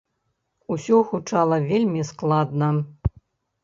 Усё гучала вельмі складна.